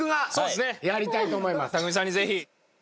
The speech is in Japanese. たくみさんにぜひ！